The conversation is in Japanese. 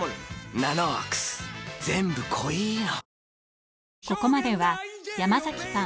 「ＮＡＮＯＸ」全部濃いの！